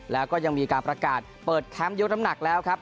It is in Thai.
แล้วก็ยังมีการประกาศเปิดแคมป์ยกน้ำหนักแล้วครับ